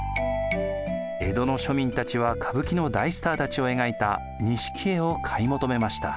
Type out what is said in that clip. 江戸の庶民たちは歌舞伎の大スターたちを描いた錦絵を買い求めました。